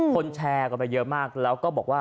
แชร์กันไปเยอะมากแล้วก็บอกว่า